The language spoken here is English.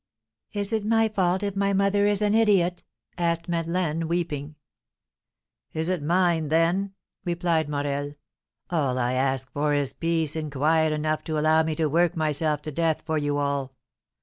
"Is it my fault if my mother is an idiot?" asked Madeleine, weeping. "Is it mine, then?" replied Morel. "All I ask for is peace and quiet enough to allow me to work myself to death for you all.